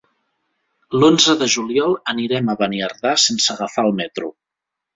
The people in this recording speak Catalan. L'onze de juliol anirem a Beniardà sense agafar el metro.